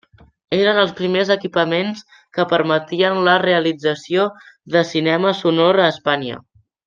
Eren els primers equipaments que permetien la realització de cinema sonor a Espanya.